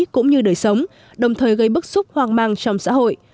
cũng như đời sống đồng thời gây bức xúc hoang mang trong xã hội